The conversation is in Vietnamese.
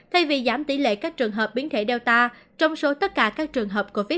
thay vì giảm tỷ lệ các trường hợp biến thể data trong số tất cả các trường hợp covid một mươi